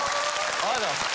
ありがとうございます。